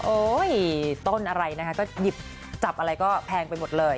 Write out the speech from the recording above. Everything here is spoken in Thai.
ต้นอะไรนะคะก็หยิบจับอะไรก็แพงไปหมดเลย